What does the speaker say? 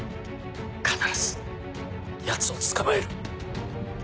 必ずヤツを捕まえる。